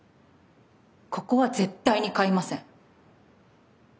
ここは絶対に買いません。